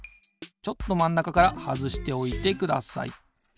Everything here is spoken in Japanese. ちょっとまんなかからはずしておいてください。